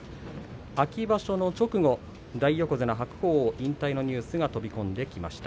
秋場所の直後、大横綱白鵬の引退のニュースが飛び込んできました。